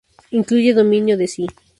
Incluye dominio de sí.